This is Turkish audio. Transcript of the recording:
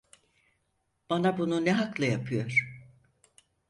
Bana bunu ne hakla yapıyor?